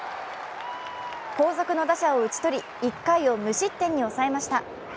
後続の打者を打ち取り、１回を無失点に抑えました。